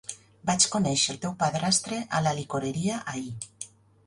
Vaig conèixer el teu padrastre a la licoreria ahir.